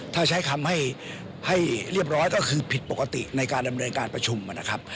ถ้าใช้คำให้เรียบร้อยก็คือผิดปกติในการดำเนินการประชุมนะครับ